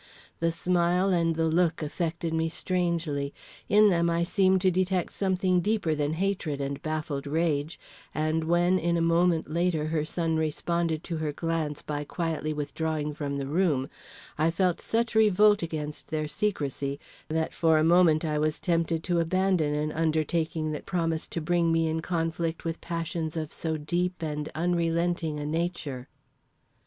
The smile and the look affected me strangely. In them I seemed to detect something deeper than hatred and baffled rage, and when in a moment later her son responded to her glance by quietly withdrawing from the room, I felt such revolt against their secrecy that for a moment I was tempted to abandon an undertaking that promised to bring me in conflict with passions of so deep and unrelenting a nature.